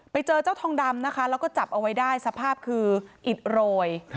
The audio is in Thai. ไปเจอเจ้าทองดำนะคะแล้วก็จับเอาไว้ได้สภาพคืออิดโรย